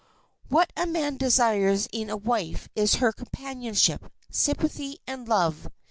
What a man desires in a wife is her companionship, sympathy, and love.